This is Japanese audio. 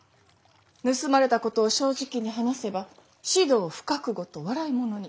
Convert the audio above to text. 盗まれたことを正直に話せば「士道不覚悟」と笑い者に。